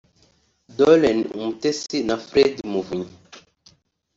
Doreen Umutesi na Fred Muvunyi